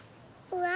うわ。